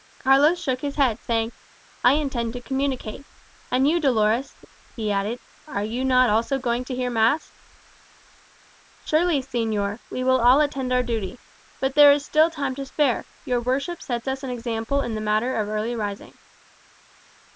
Carlos shook his head, saying, "I intend to communicate. And you, Dolores," he added, "are you not also going to hear mass?" "Surely, señor; we will all attend our duty. But there is still time to spare; your worship sets us an example in the matter of early rising."